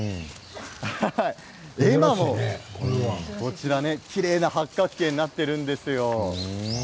絵馬もきれいな八角形になっているんですよ。